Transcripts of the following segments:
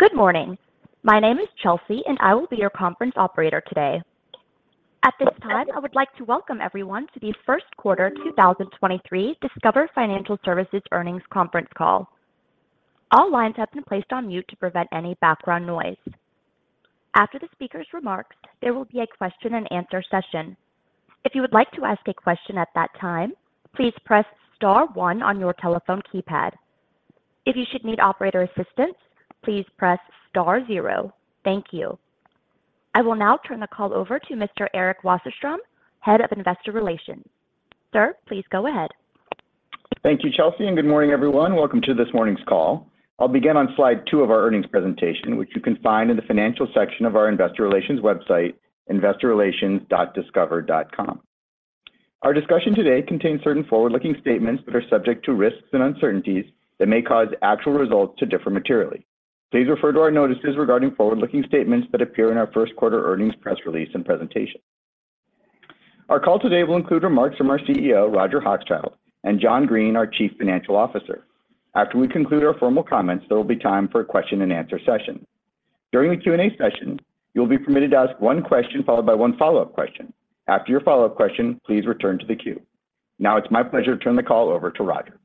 Good morning. My name is Chelsea. I will be your conference operator today. At this time, I would like to welcome everyone to the first quarter 2023 Discover Financial Services earnings conference call. All lines have been placed on mute to prevent any background noise. After the speaker's remarks, there will be a question-and-answer session. If you would like to ask a question at that time, please press star one on your telephone keypad. If you should need operator assistance, please press star zero. Thank you. I will now turn the call over to Mr. Eric Wasserstrom, Head of Investor Relations. Sir, please go ahead. Thank you, Chelsea. Good morning, everyone. Welcome to this morning's call. I'll begin on slide 2 of our earnings presentation, which you can find in the financial section of our investor relations website, investorrelations.discover.com. Our discussion today contains certain forward-looking statements that are subject to risks and uncertainties that may cause actual results to differ materially. Please refer to our notices regarding forward-looking statements that appear in our first quarter earnings press release and presentation. Our call today will include remarks from our CEO, Roger Hochschild, and John Greene, our Chief Financial Officer. After we conclude our formal comments, there will be time for a question-and-answer session. During the Q&A session, you'll be permitted to ask one question followed by one follow-up question. After your follow-up question, please return to the queue. Now it's my pleasure to turn the call over to Roger.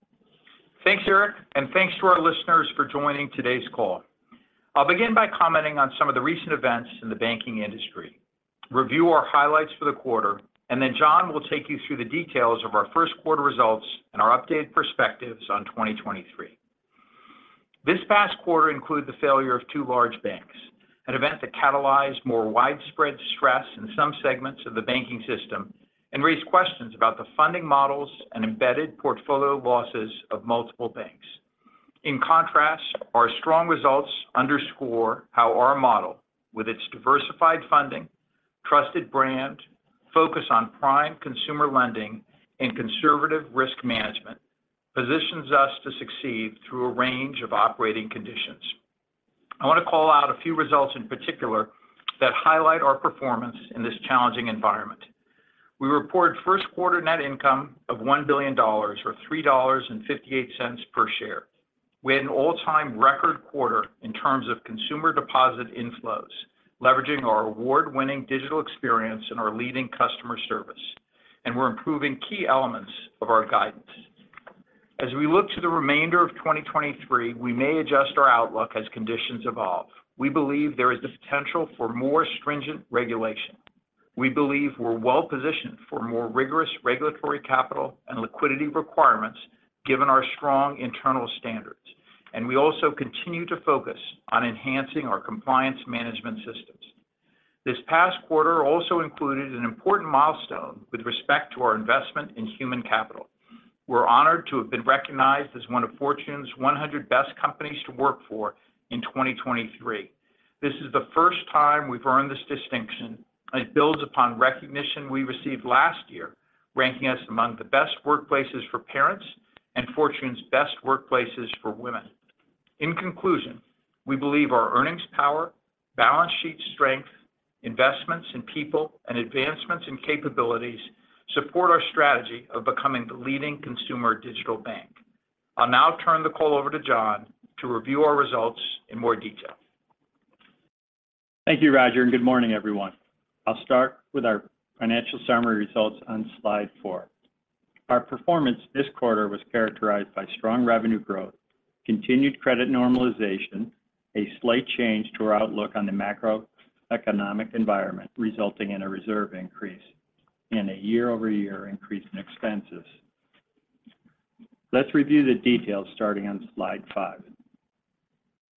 Thanks, Eric, thanks to our listeners for joining today's call. I'll begin by commenting on some of the recent events in the banking industry, review our highlights for the quarter, and then John will take you through the details of our first quarter results and our updated perspectives on 2023. This past quarter includes the failure of two large banks, an event that catalyzed more widespread stress in some segments of the banking system and raised questions about the funding models and embedded portfolio losses of multiple banks. In contrast, our strong results underscore how our model, with its diversified funding, trusted brand, focus on prime consumer lending, and conservative risk management, positions us to succeed through a range of operating conditions. I want to call out a few results in particular that highlight our performance in this challenging environment. We report first quarter net income of $1 billion or $3.58 per share. We had an all-time record quarter in terms of consumer deposit inflows, leveraging our award-winning digital experience and our leading customer service, and we're improving key elements of our guidance. As we look to the remainder of 2023, we may adjust our outlook as conditions evolve. We believe there is the potential for more stringent regulation. We believe we're well-positioned for more rigorous regulatory capital and liquidity requirements given our strong internal standards. We also continue to focus on enhancing our compliance management systems. This past quarter also included an important milestone with respect to our investment in human capital. We're honored to have been recognized as one of Fortune's 100 Best Companies to Work For in 2023. This is the first time we've earned this distinction, and it builds upon recognition we received last year, ranking us among the best workplaces for parents and Fortune Best Workplaces for Women. In conclusion, we believe our earnings power, balance sheet strength, investments in people, and advancements in capabilities support our strategy of becoming the leading consumer digital bank. I'll now turn the call over to John to review our results in more detail. Thank you, Roger. Good morning, everyone. I'll start with our financial summary results on slide 4. Our performance this quarter was characterized by strong revenue growth, continued credit normalization, a slight change to our outlook on the macroeconomic environment, resulting in a reserve increase and a year-over-year increase in expenses. Let's review the details starting on slide 5.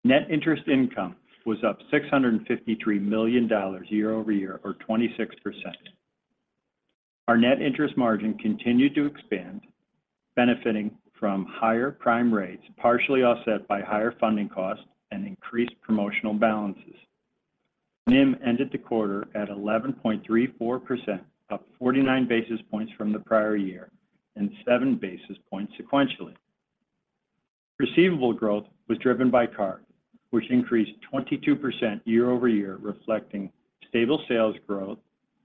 Net interest income was up $653 million year-over-year, or 26%. Our net interest margin continued to expand, benefiting from higher prime rates, partially offset by higher funding costs and increased promotional balances. NIM ended the quarter at 11.34%, up 49 basis points from the prior year and seven basis points sequentially. Receivable growth was driven by card, which increased 22% year-over-year, reflecting stable sales growth,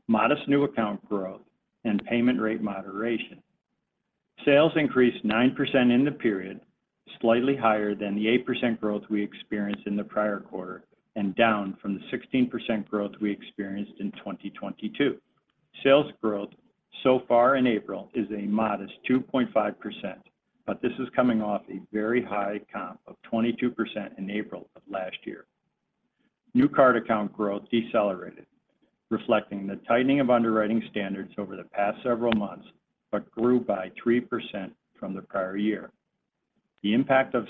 modest new account growth, and payment rate moderation. Sales increased 9% in the period, slightly higher than the 8% growth we experienced in the prior quarter and down from the 16% growth we experienced in 2022. Sales growth so far in April is a modest 2.5%, but this is coming off a very high comp of 22% in April of last year. New card account growth decelerated, reflecting the tightening of underwriting standards over the past several months, but grew by 3% from the prior year. The impact of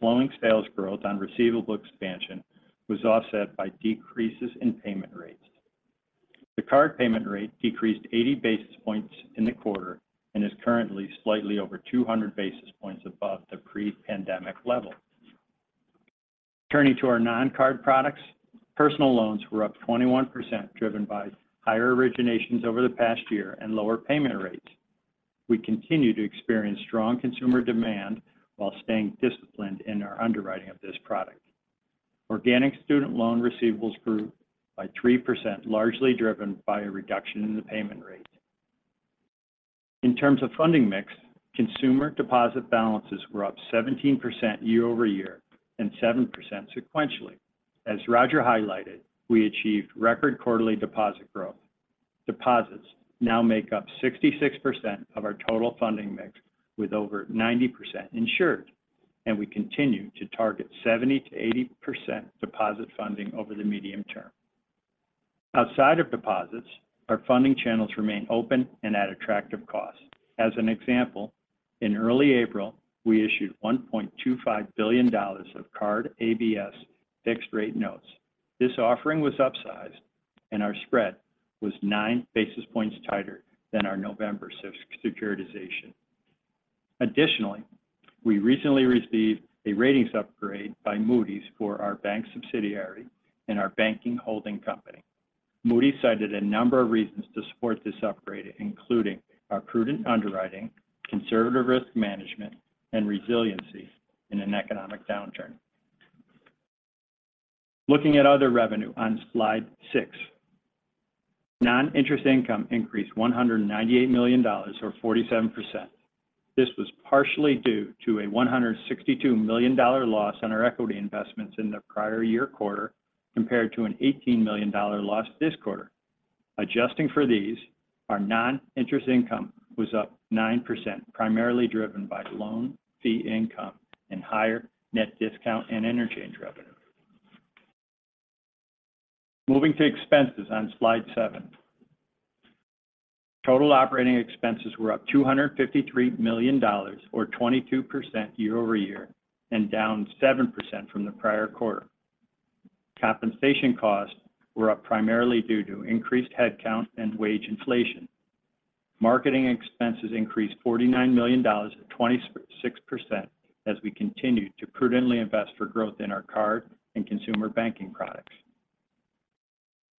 slowing sales growth on receivable expansion was offset by decreases in payment rates. The card payment rate decreased 80 basis points in the quarter and is currently slightly over 200 basis points above the pre-pandemic level. Turning to our non-card products, personal loans were up 21%, driven by higher originations over the past year and lower payment rates. We continue to experience strong consumer demand while staying disciplined in our underwriting of this product. Organic student loan receivables grew by 3%, largely driven by a reduction in the payment rates. In terms of funding mix, consumer deposit balances were up 17% year-over-year and 7% sequentially. As Roger highlighted, we achieved record quarterly deposit growth. Deposits now make up 66% of our total funding mix with over 90% insured, and we continue to target 70% to 80% deposit funding over the medium term. Outside of deposits, our funding channels remain open and at attractive cost. As an example, in early April, we issued $1.25 billion of card ABS fixed-rate notes. This offering was upsized and our spread was nine basis points tighter than our November securitization. Additionally, we recently received a ratings upgrade by Moody's for our bank subsidiary and our banking holding company. Moody's cited a number of reasons to support this upgrade, including our prudent underwriting, conservative risk management, and resiliency in an economic downturn. Looking at other revenue on slide 6. Non-interest income increased $198 million or 47%. This was partially due to a $162 million loss on our equity investments in the prior year quarter compared to an $18 million loss this quarter. Adjusting for these, our non-interest income was up 9%, primarily driven by loan fee income and higher net discount and interchange revenue. Moving to expenses on slide 7. Total operating expenses were up $253 million or 22% year-over-year, and down 7% from the prior quarter. Compensation costs were up primarily due to increased headcount and wage inflation. Marketing expenses increased $49 million at 26% as we continued to prudently invest for growth in our card and consumer banking products.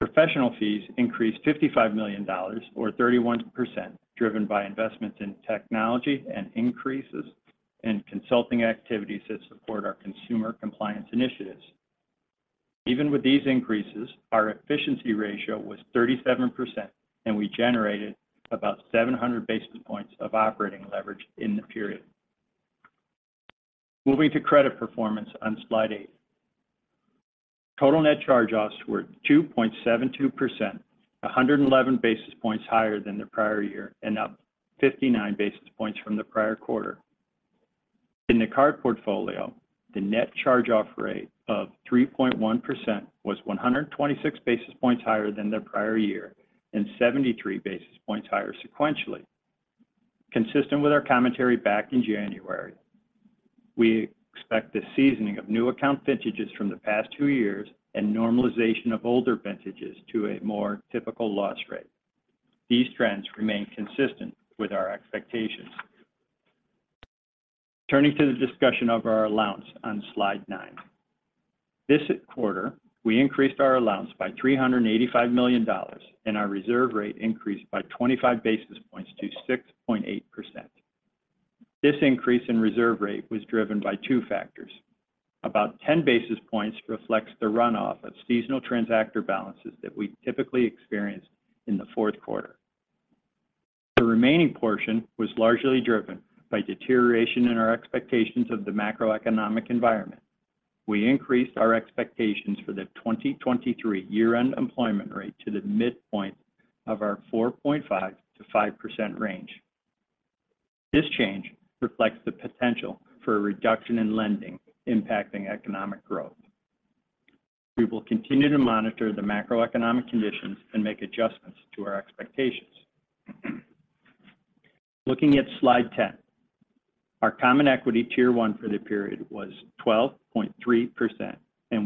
Professional fees increased $55 million or 31%, driven by investments in technology and increases in consulting activities that support our consumer compliance initiatives. Even with these increases, our efficiency ratio was 37%, and we generated about 700 basis points of operating leverage in the period. Moving to credit performance on slide 8. Total net charge-offs were 2.72%, 111 basis points higher than the prior year and up 59 basis points from the prior quarter. In the card portfolio, the net charge-off rate of 3.1% was 126 basis points higher than the prior year and 73 basis points higher sequentially. Consistent with our commentary back in January, we expect the seasoning of new account vintages from the past 2 years and normalization of older vintages to a more typical loss rate. These trends remain consistent with our expectations. Turning to the discussion of our allowance on slide 9. This quarter, we increased our allowance by $385 million, our reserve rate increased by 25 basis points to 6.8%. This increase in reserve rate was driven by two factors. About 10 basis points reflects the runoff of seasonal transactor balances that we typically experience in the fourth quarter. The remaining portion was largely driven by deterioration in our expectations of the macroeconomic environment. We increased our expectations for the 2023 year-end employment rate to the midpoint of our 4.5% to 5% range. This change reflects the potential for a reduction in lending impacting economic growth. We will continue to monitor the macroeconomic conditions and make adjustments to our expectations. Looking at slide 10, our Common Equity Tier 1 for the period was 12.3%.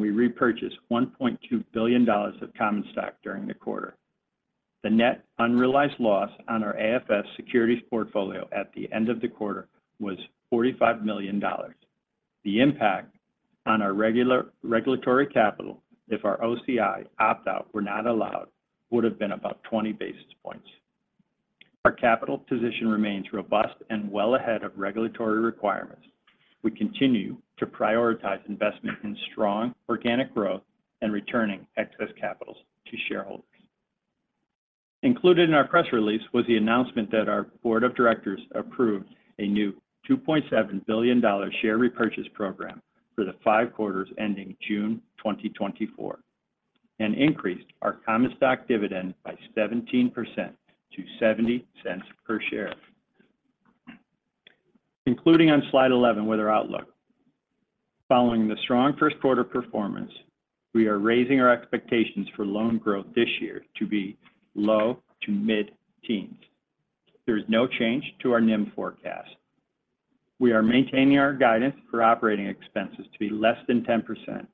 We repurchased $1.2 billion of common stock during the quarter. The net unrealized loss on our AFS securities portfolio at the end of the quarter was $45 million. The impact on our regulatory capital if our OCI opt-out were not allowed, would have been about 20 basis points. Our capital position remains robust and well ahead of regulatory requirements. We continue to prioritize investment in strong organic growth and returning excess capitals to shareholders. Included in our press release was the announcement that our board of directors approved a new $2.7 billion share repurchase program for the 5 quarters ending June 2024 and increased our common stock dividend by 17% to $0.70 per share. Concluding on slide 11 with our outlook. Following the strong first quarter performance, we are raising our expectations for loan growth this year to be low to mid-teens. There is no change to our NIM forecast. We are maintaining our guidance for operating expenses to be less than 10%.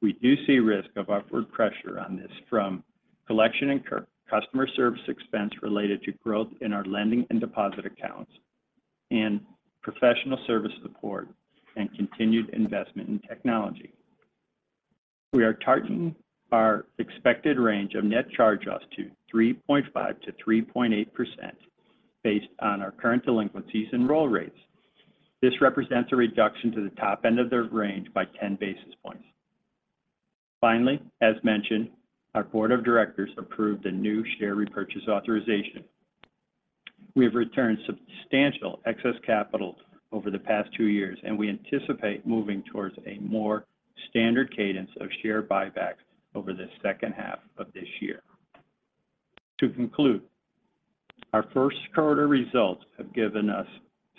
We do see risk of upward pressure on this from collection and customer service expense related to growth in our lending and deposit accounts and professional service support and continued investment in technology. We are targeting our expected range of net charge-offs to 3.5% to 3.8% based on our current delinquencies and roll rates. This represents a reduction to the top end of the range by 10 basis points. Finally, as mentioned, our board of directors approved a new share repurchase authorization. We have returned substantial excess capital over the past two years, and we anticipate moving towards a more standard cadence of share buybacks over the second half of this year. To conclude, our first quarter results have given us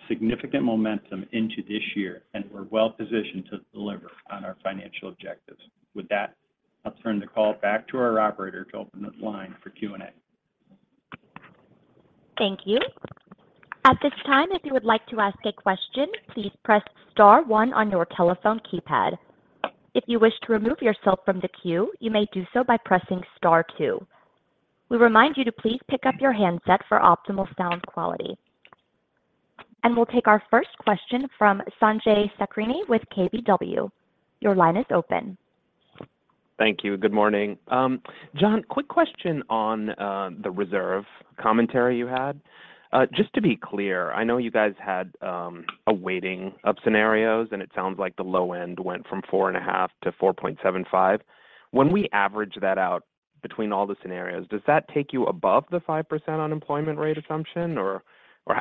significant momentum into this year, and we're well-positioned to deliver on our financial objectives. With that, I'll turn the call back to our operator to open the line for Q&A. Thank you. At this time, if you would like to ask a question, please press star one on your telephone keypad. If you wish to remove yourself from the queue, you may do so by pressing star two. We remind you to please pick up your handset for optimal sound quality. We'll take our first question from Sanjay Sakhrani with KBW. Your line is open. Thank you. Good morning. John, quick question on the reserve commentary you had. Just to be clear, I know you guys had a weighting of scenarios, and it sounds like the low end went from 4.5 to 4.75. When we average that out between all the scenarios, does that take you above the 5% unemployment rate assumption, or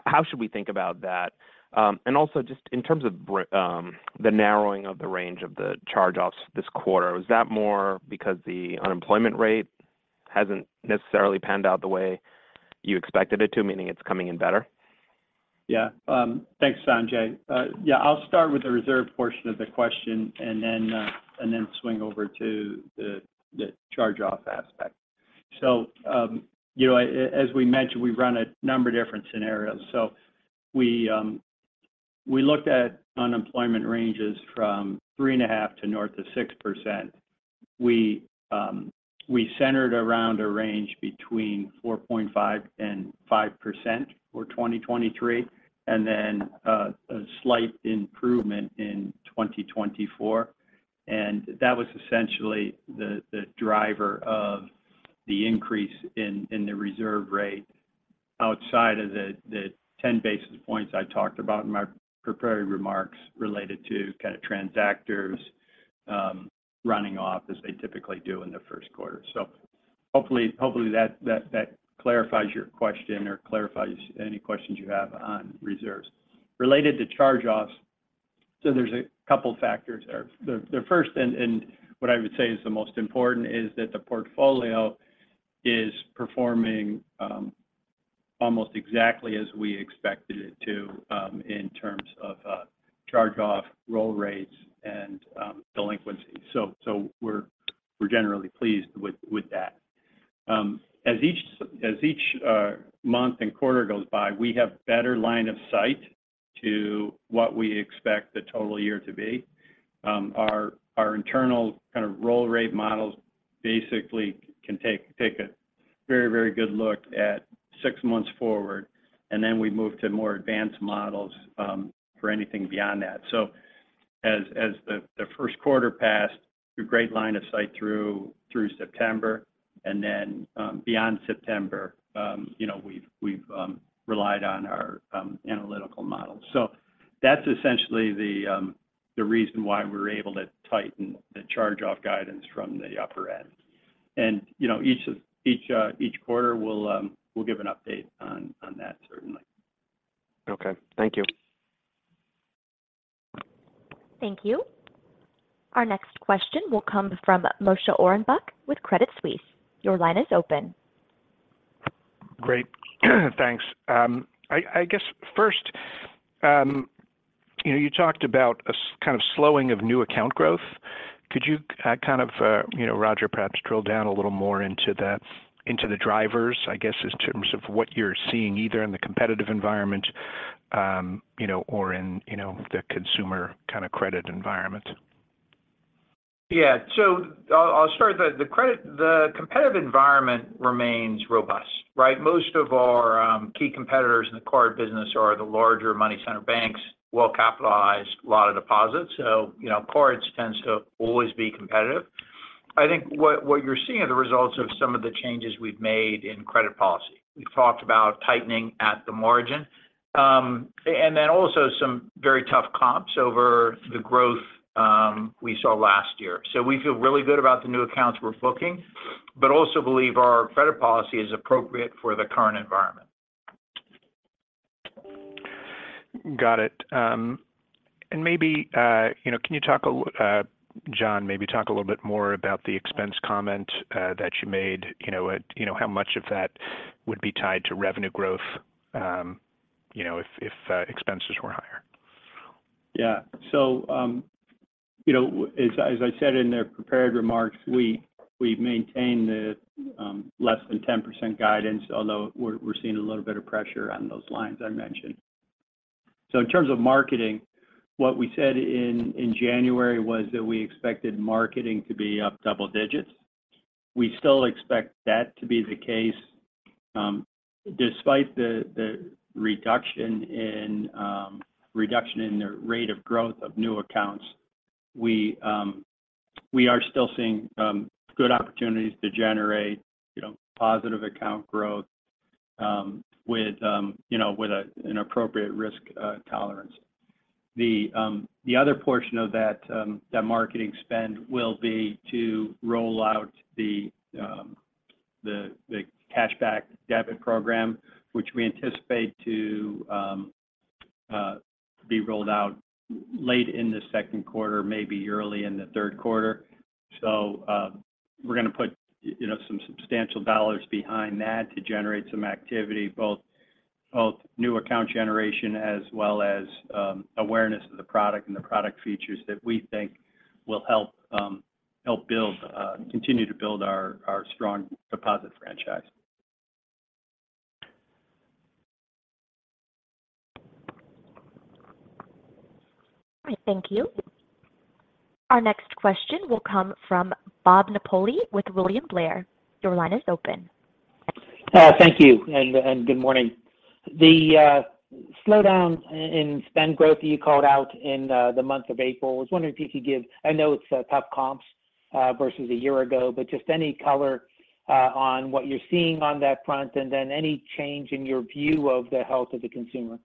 how should we think about that? Also just in terms of the narrowing of the range of the charge-offs this quarter, was that more because the unemployment rate hasn't necessarily panned out the way you expected it to, meaning it's coming in better? Thanks, Sanjay. Yeah, I'll start with the reserve portion of the question and then swing over to the charge-off aspect. You know, as we mentioned, we run a number of different scenarios. We looked at unemployment ranges from 3.5 to north of 6%. We centered around a range between 4.5% to 5% for 2023, and then a slight improvement in 2024. That was essentially the driver of the increase in the reserve rate outside of the 10 basis points I talked about in my prepared remarks related to kind of transactors running off as they typically do in the first quarter. Hopefully that clarifies your question or clarifies any questions you have on reserves. Related to charge-offs, there's a couple factors there. The first and what I would say is the most important is that the portfolio is performing almost exactly as we expected it to in terms of charge-off roll rates and delinquency. We're generally pleased with that. As each month and quarter goes by, we have better line of sight to what we expect the total year to be. Our internal kind of roll rate models basically can take a very good look at six months forward, and then we move to more advanced models for anything beyond that. As the first quarter passed, a great line of sight through September, and then, beyond September, you know, we've relied on our analytical models. That's essentially the reason why we're able to tighten the charge-off guidance from the upper end. You know, each quarter, we'll give an update on that certainly. Okay. Thank you. Thank you. Our next question will come from Moshe Orenbuch with Credit Suisse. Your line is open. Great. Thanks. I guess first, you know, you talked about kind of slowing of new account growth. Could you, Roger, perhaps drill down a little more into the drivers, I guess, in terms of what you're seeing either in the competitive environment, you know, or in, you know, the consumer kind of credit environment? I'll start. The competitive environment remains robust, right? Most of our key competitors in the card business are the larger money center banks, well-capitalized, a lot of deposits. You know, cards tends to always be competitive. I think what you're seeing are the results of some of the changes we've made in credit policy. We've talked about tightening at the margin. And then also some very tough comps over the growth we saw last year. We feel really good about the new accounts we're booking, but also believe our credit policy is appropriate for the current environment. Got it. Maybe, you know, John, maybe talk a little bit more about the expense comment that you made at, you know, how much of that would be tied to revenue growth, you know, if, expenses were higher? Yeah. You know, as I, as I said in the prepared remarks, we've maintained the less than 10% guidance, although we're seeing a little bit of pressure on those lines I mentioned. In terms of marketing, what we said in January was that we expected marketing to be up double digits. We still expect that to be the case. Despite the reduction in the rate of growth of new accounts, we are still seeing good opportunities to generate, you know, positive account growth with an appropriate risk, tolerance The other portion of that marketing spend will be to roll out the Cashback Debit program, which we anticipate to be rolled out late in the second quarter, maybe early in the third quarter. We're gonna put, you know, some substantial dollars behind that to generate some activity, both new account generation as well as awareness of the product and the product features that we think will help build, continue to build our strong deposit franchise. All right. Thank you. Our next question will come from Bob Napoli with William Blair. Your line is open. Thank you and good morning. The slowdown in spend growth that you called out in the month of April, I was wondering if you could give. I know it's tough comps versus a year ago, but just any color on what you're seeing on that front, and then any change in your view of the health of the consumer?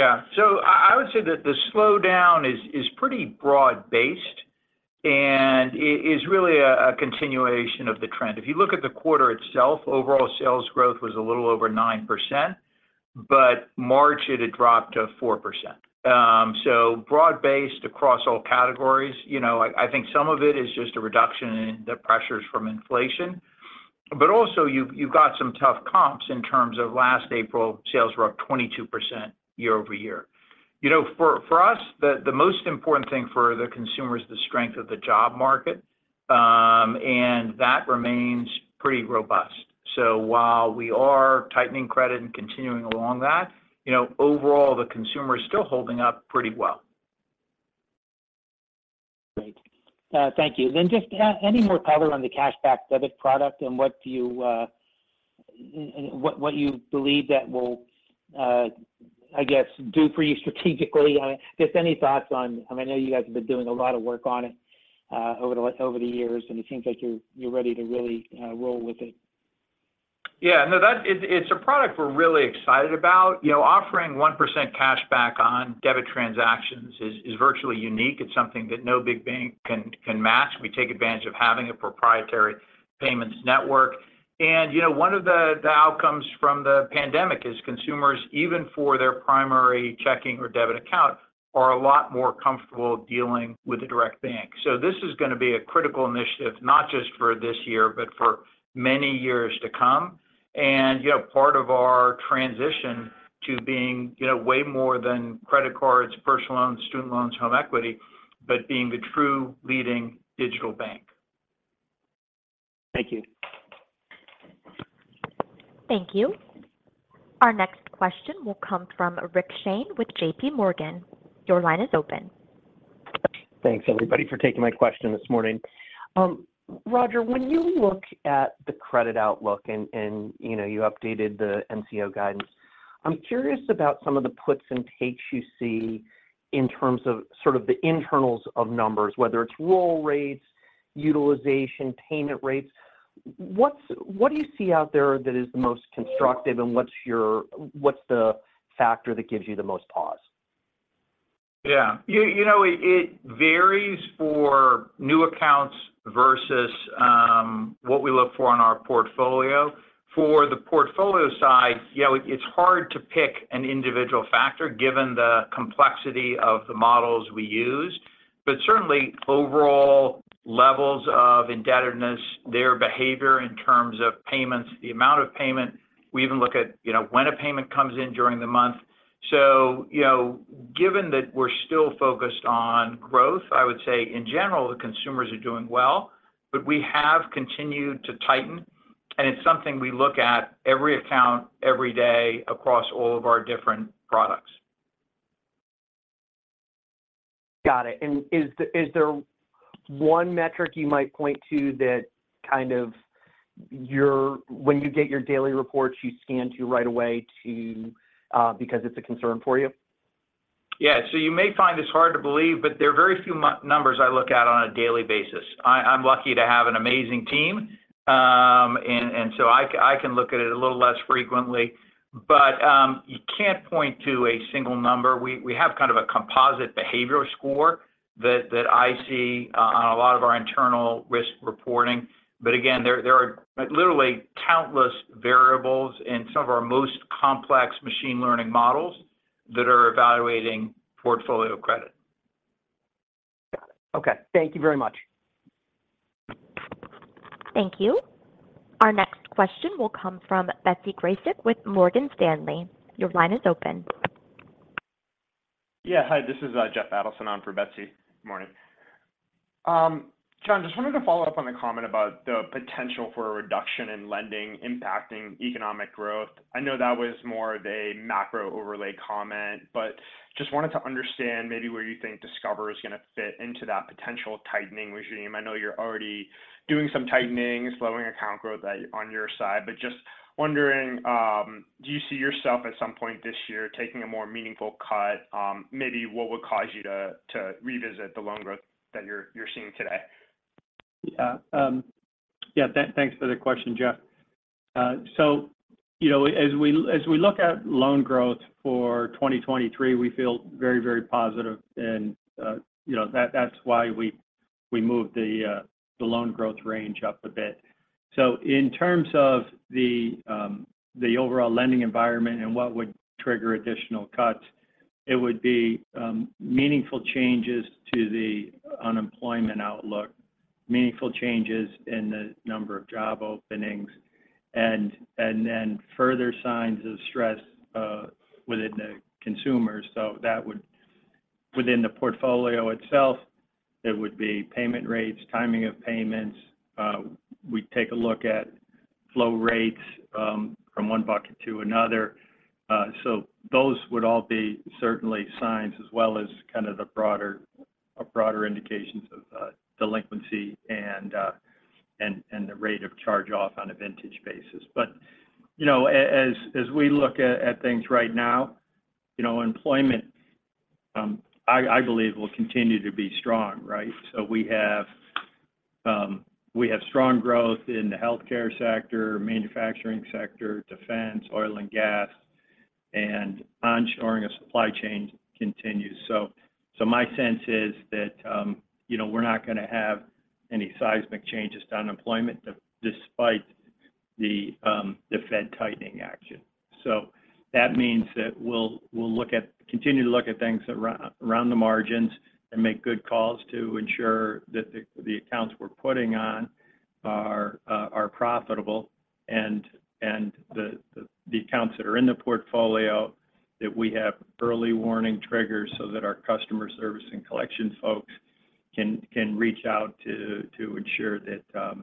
I would say that the slowdown is pretty broad-based and is really a continuation of the trend. If you look at the quarter itself, overall sales growth was a little over 9%. March, it had dropped to 4%. Broad-based across all categories. You know, I think some of it is just a reduction in the pressures from inflation. Also you've got some tough comps in terms of last April, sales were up 22% year-over-year. You know, for us, the most important thing for the consumer is the strength of the job market, and that remains pretty robust. While we are tightening credit and continuing along that, you know, overall, the consumer is still holding up pretty well. Great. Thank you. Just, any more color on the Cashback Debit product and what you believe that will, I guess, do for you strategically? I mean, just any thoughts? I mean, I know you guys have been doing a lot of work on it, over the years, and it seems like you're ready to really, roll with it. No, that is, it's a product we're really excited about. You know, offering 1% cashback on debit transactions is virtually unique. It's something that no big bank can match. We take advantage of having a proprietary payments network. You know, one of the outcomes from the pandemic is consumers, even for their primary checking or debit account, are a lot more comfortable dealing with a direct bank. This is gonna be a critical initiative, not just for this year, but for many years to come. You know, part of our transition to being, you know, way more than credit cards, personal loans, student loans, home equity, but being the true leading digital bank. Thank you. Thank you. Our next question will come from Rick Shane with JPMorgan. Your line is open. Thanks, everybody, for taking my question this morning. Roger, when you look at the credit outlook and, you know, you updated the NCO guidance, I'm curious about some of the puts and takes you see in terms of sort of the internals of numbers, whether it's roll rates, utilization, payment rates. What do you see out there that is the most constructive, and what's the factor that gives you the most pause? It varies for new accounts versus, what we look for in our portfolio. For the portfolio side, you know, it's hard to pick an individual factor given the complexity of the models we use. Certainly overall levels of indebtedness, their behavior in terms of payments, the amount of payment. We even look at, you know, when a payment comes in during the month. You know, given that we're still focused on growth, I would say in general, the consumers are doing well. We have continued to tighten, and it's something we look at every account, every day across all of our different products. Got it. Is there one metric you might point to that kind of when you get your daily reports you scan to right away to because it's a concern for you? Yeah. You may find this hard to believe, but there are very few numbers I look at on a daily basis. I'm lucky to have an amazing team, I can look at it a little less frequently. You can't point to a single number. We have kind of a composite behavioral score that I see on a lot of our internal risk reporting. Again, there are literally countless variables in some of our most complex machine learning models that are evaluating portfolio credit. Got it. Okay. Thank you very much. Thank you. Our next question will come from Betsy Graseck with Morgan Stanley. Your line is open. Yeah. Hi, this is Jeffrey Adelson on for Betsy. Morning. John, just wanted to follow up on the comment about the potential for a reduction in lending impacting economic growth. I know that was more of a macro overlay comment, just wanted to understand maybe where you think Discover is gonna fit into that potential tightening regime. I know you're already doing some tightening, slowing account growth on your side. Just wondering, do you see yourself at some point this year taking a more meaningful cut? Maybe what would cause you to revisit the loan growth that you're seeing today? Yeah, thanks for the question, Jeff. You know, as we look at loan growth for 2023, we feel very positive and, you know, that's why we moved the loan growth range up a bit. In terms of the overall lending environment and what would trigger additional cuts, it would be meaningful changes to the unemployment outlook, meaningful changes in the number of job openings and then further signs of stress within the consumers. Within the portfolio itself, it would be payment rates, timing of payments. We'd take a look at flow rates from one bucket to another. So those would all be certainly signs as well as kind of the broader indications of delinquency and the rate of charge-off on a vintage basis. You know, as we look at things right now, you know, employment, I believe will continue to be strong, right? We have strong growth in the healthcare sector, manufacturing sector, defense, oil and gas, and onshoring of supply chain continues. My sense is that, you know, we're not gonna have any seismic changes to unemployment despite the Fed tightening action. That means that we'll continue to look at things around the margins and make good calls to ensure that the accounts we're putting on are profitable and the accounts that are in the portfolio, that we have early warning triggers so that our customer service and collection folks can reach out to ensure that,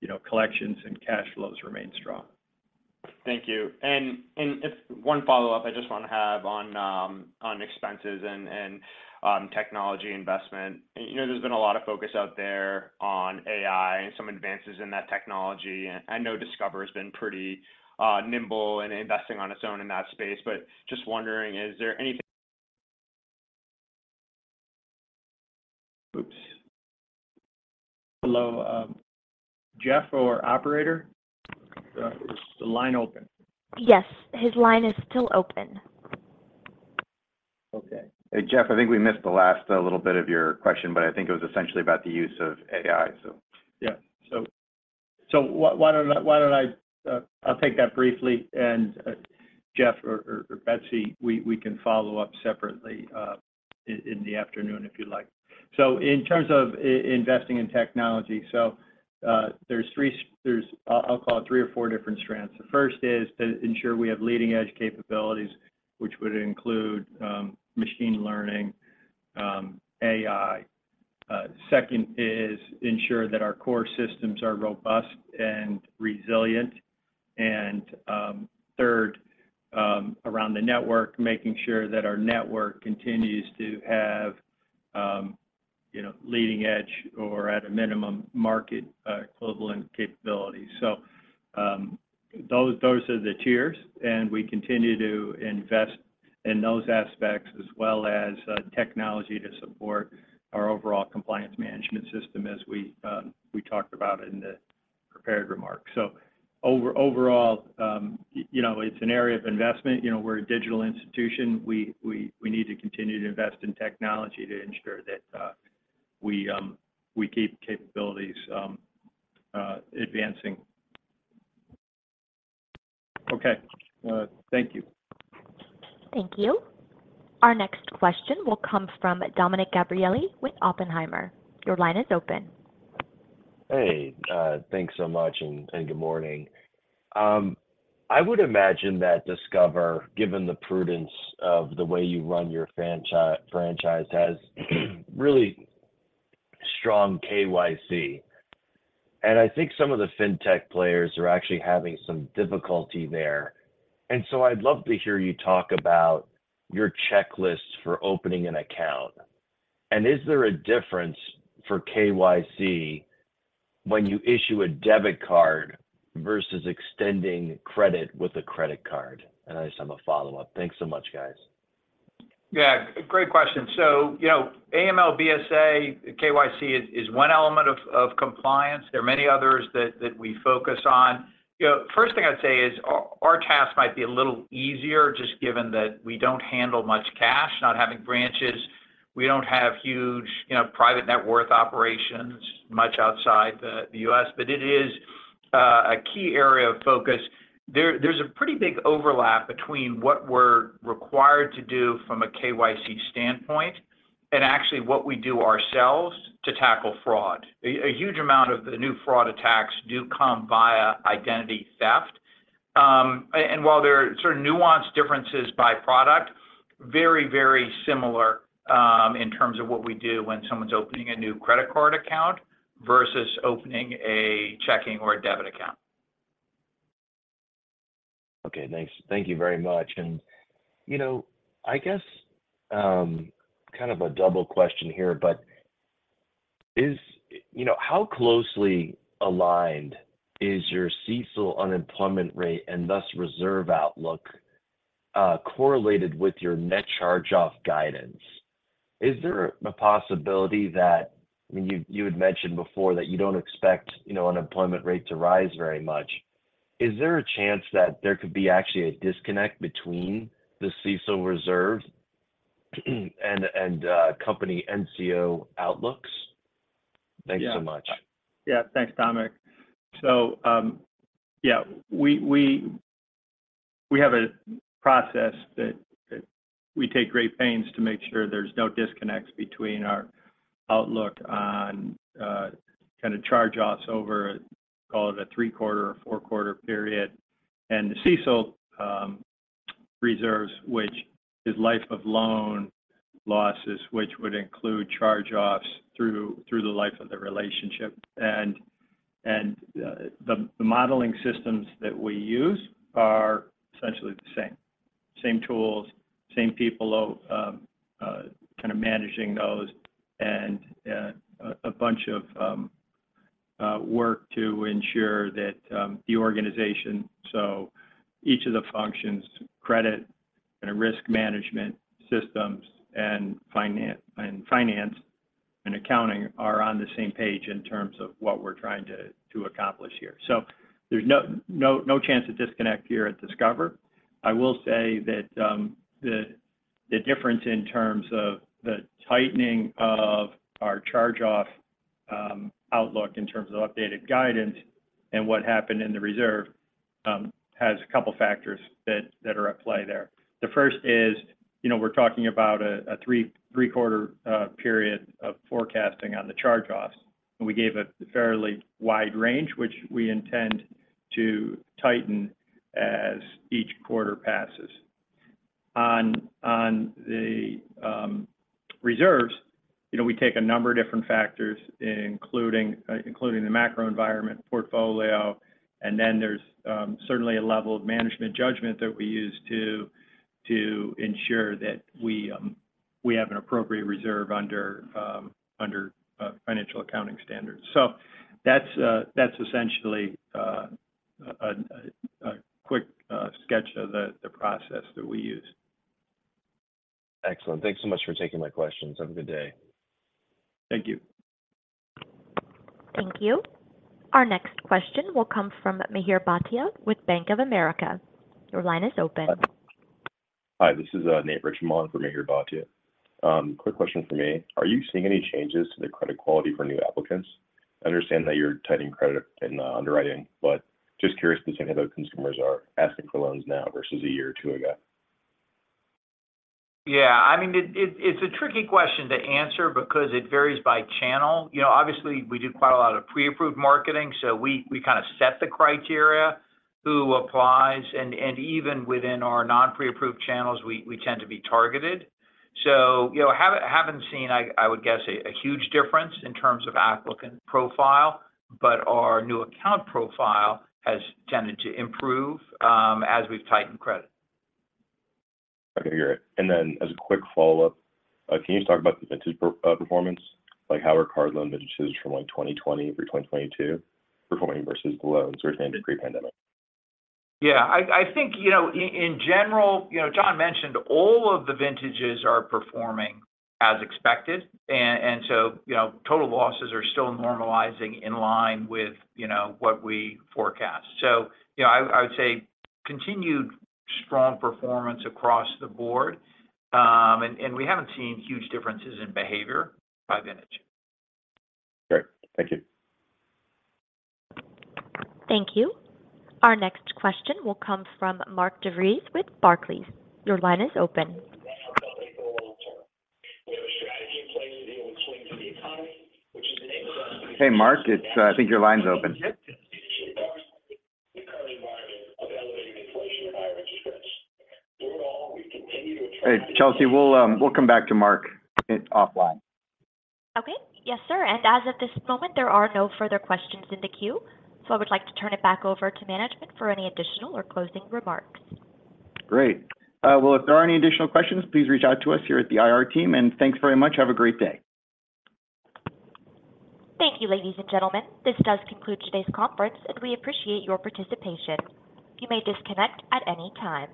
you know, collections and cash flows remain strong. Thank you. It's one follow-up I just want to have on expenses and technology investment. You know, there's been a lot of focus out there on AI and some advances in that technology. I know Discover's been pretty nimble in investing on its own in that space. Just wondering, is there anything...? Oops. Hello, Jeff or operator? Is the line open? Yes, his line is still open. Okay. Hey, Jeff, I think we missed the last little bit of your question, but I think it was essentially about the use of AI. So... Yeah. Why don't I'll take that briefly, and Jeff or Betsy Graseck, we can follow up separately in the afternoon if you'd like. In terms of investing in technology, I'll call it three or four different strands. The first is to ensure we have leading-edge capabilities, which would include machine learning, AI. Second is ensure that our core systems are robust and resilient. Third, around the network, making sure that our network continues to have, you know, leading edge or at a minimum market equivalent capabilities. Those are the tiers, and we continue to invest in those aspects as well as technology to support our overall compliance management system as we talked about in the prepared remarks. Overall, you know, it's an area of investment. You know, we're a digital institution. We need to continue to invest in technology to ensure that we keep capabilities advancing. Okay, thank you. Thank you. Our next question will come from Dominick Gabriele with Oppenheimer. Your line is open. Hey, thanks so much and good morning. I would imagine that Discover, given the prudence of the way you run your franchise, has really strong KYC. I think some of the fintech players are actually having some difficulty there. So I'd love to hear you talk about your checklist for opening an account. Is there a difference for KYC when you issue a debit card versus extending credit with a credit card? I just have a follow-up. Thanks so much, guys. Yeah, great question. You know, AML, BSA, KYC is one element of compliance. There are many others that we focus on. First thing I'd say is our task might be a little easier just given that we don't handle much cash, not having branches. We don't have huge, you know, private net worth operations much outside the U.S., but it is a key area of focus. There's a pretty big overlap between what we're required to do from a KYC standpoint and actually what we do ourselves to tackle fraud. A huge amount of the new fraud attacks do come via identity theft. While there are sort of nuanced differences by product, very, very similar, in terms of what we do when someone's opening a new credit card account versus opening a checking or a debit account. Okay, thanks. Thank you very much. You know, I guess, kind of a double question here, you know, how closely aligned is your CECL unemployment rate and thus reserve outlook correlated with your net charge-off guidance, is there a possibility that... I mean, you had mentioned before that you don't expect, you know, unemployment rate to rise very much. Is there a chance that there could be actually a disconnect between the CECL reserve and, company NCO outlooks? Yeah. Thanks so much. Yeah. Thanks, Dominic. Yeah, we have a process that we take great pains to make sure there's no disconnects between our outlook on kind of charge-offs over, call it a three-quarter or four-quarter period. The CECL reserves, which is life of loan losses, which would include charge-offs through the life of the relationship. The modeling systems that we use are essentially the same. Same tools, same people kind of managing those and a bunch of work to ensure that the organization, so each of the functions, credit and risk management systems and finance and accounting are on the same page in terms of what we're trying to accomplish here. There's no chance of disconnect here at Discover. I will say that the difference in terms of the tightening of our charge-off outlook in terms of updated guidance and what happened in the reserve has a couple factors that are at play there. The first is, you know, we're talking about a three-quarter period of forecasting on the charge-offs. We gave a fairly wide range, which we intend to tighten as each quarter passes. On the reserves, you know, we take a number of different factors, including the macro environment portfolio, and then there's certainly a level of management judgment that we use to ensure that we have an appropriate reserve under financial accounting standards. That's essentially a quick sketch of the process that we use. Excellent. Thanks so much for taking my questions. Have a good day. Thank you. Thank you. Our next question will come from Mihir Bhatia with Bank of America. Your line is open. Hi, this is Nate Richmond for Mihir Bhatia. Quick question for me. Are you seeing any changes to the credit quality for new applicants? I understand that you're tightening credit in underwriting, but just curious to see how the consumers are asking for loans now versus a year or two ago. Yeah, I mean, it's a tricky question to answer because it varies by channel. You know, obviously, we do quite a lot of pre-approved marketing, so we kind of set the criteria who applies. Even within our non-pre-approved channels, we tend to be targeted. You know, haven't seen, I would guess a huge difference in terms of applicant profile, but our new account profile has tended to improve as we've tightened credit. I can hear it. As a quick follow-up, can you just talk about the vintage performance? Like, how are card loan vintages from, like, 2020 through 2022 performing versus the loans we were seeing pre-pandemic? Yeah. I think, you know, in general, you know, John mentioned all of the vintages are performing as expected. Total losses are still normalizing in line with, you know, what we forecast. I would say continued strong performance across the board. We haven't seen huge differences in behavior by vintage. Great. Thank you. Thank you. Our next question will come from Mark DeVries with Barclays. Your line is open. Hey, Mark, I think your line's open. Hey, Chelsea, we'll come back to Mark he's offline. Okay. Yes, sir. As of this moment, there are no further questions in the queue, so I would like to turn it back over to management for any additional or closing remarks. Great. Well, if there are any additional questions, please reach out to us here at the IR team, and thanks very much. Have a great day. Thank you, ladies and gentlemen. This does conclude today's conference, and we appreciate your participation. You may disconnect at any time.